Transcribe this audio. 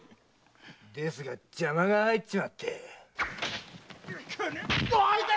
ですが邪魔が入っちまって。